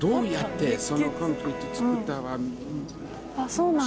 そうなの？